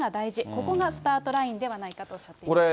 ここがスタートラインではないかとおっしゃっています。